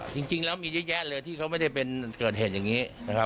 จริงแล้วมีเยอะแยะเลยที่เขาไม่ได้เป็นเกิดเหตุอย่างนี้นะครับ